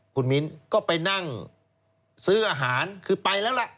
คุณมิ้นก็ไปนั่งซื้ออาหารคือไปแล้วล่ะ